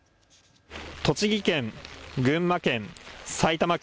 栃木県、群馬県、埼玉県。